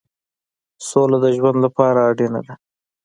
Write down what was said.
سوله د ژوند لپاره اړینه ده.